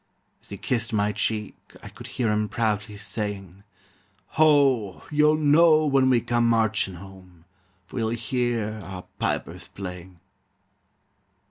As he kissed my cheek, I could hear him proudly saying: "Ho! you'll know when we come marching home, For you'll hear our pipers playing."